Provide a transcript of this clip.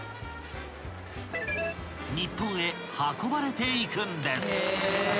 ［日本へ運ばれていくんです］